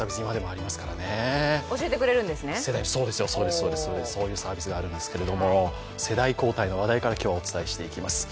そうです、教えてくれるんですけど世代交代の話題から今日はお伝えしていきます